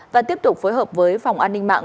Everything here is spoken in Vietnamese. và tiếp tục phối hợp với phòng an ninh mạng